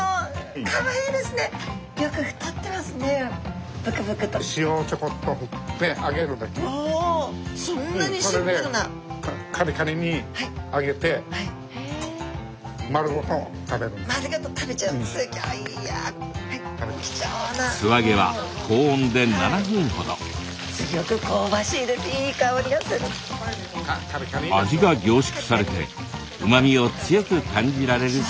味が凝縮されてうまみを強く感じられるそうです。